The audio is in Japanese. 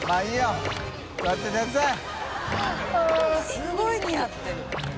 すごい似合ってる。